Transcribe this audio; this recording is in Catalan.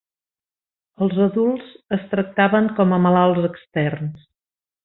Els adults es tractaven com a malalts externs.